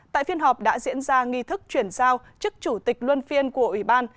tại phiên họp đã diễn ra nghi thức chuyển giao chức chủ tịch luân phiên của ủy ban